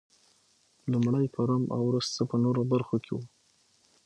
لومړی په روم او وروسته په نورو برخو کې و